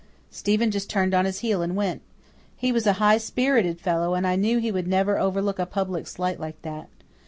Stephen just turned on his heel and went. He was a high spirited fellow and I knew he would never overlook a public slight like that.